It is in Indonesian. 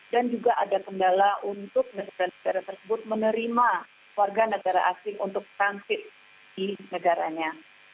dan juga ada kendala untuk negara negara tersebut menerima warga negara asing untuk transit di negaranya